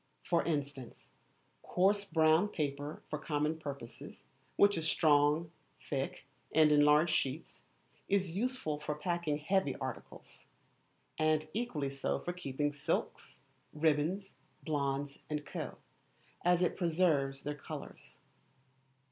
For instance, coarse brown paper for common purposes, which is strong, thick, and in large sheets, is useful for packing heavy articles; and equally so for keeping silks, ribbons, blondes, &c., as it preserves their colours.